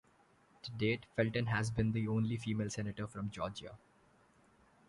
To date, Felton has been the only female Senator from Georgia.